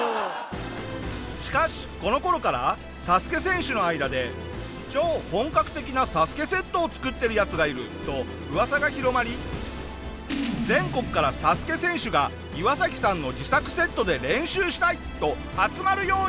しかしこの頃からＳＡＳＵＫＥ選手の間で超本格的なＳＡＳＵＫＥセットを作ってるヤツがいると噂が広まり全国からＳＡＳＵＫＥ選手がイワサキさんの自作セットで練習したいと集まるように！